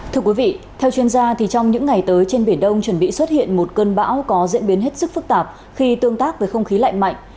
thưa quý vị theo chuyên gia trong những ngày tới trên biển đông chuẩn bị xuất hiện một cơn bão có diễn biến hết sức phức tạp khi tương tác với không khí lạnh mạnh